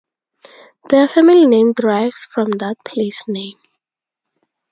Their family name derives from that place name.